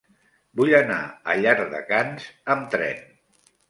Vull anar a Llardecans amb tren.